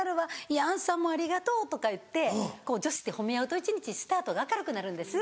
「いやアンさんもうありがとう」とか言ってこう女子って褒め合うと一日スタートが明るくなるんです。